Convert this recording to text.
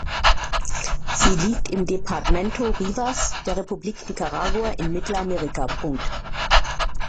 Sie liegt im Departamento Rivas der Republik Nicaragua in Mittelamerika.